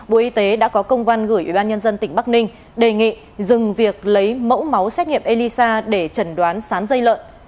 bộ y tế đã có công văn gửi ủy ban nhân dân tỉnh bắc ninh đề nghị dừng việc lấy mẫu máu xét nghiệm elisa để chẩn đoán sán dây lợn